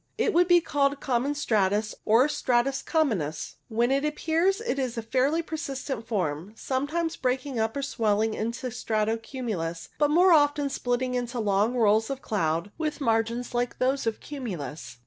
It would be called common stratus, or stratus communis. When it appears it is a fairly persistent form, some times breaking up or swelling up into strato cumulus, but more often splitting into long rolls of cloud, with margins like those of cumulus.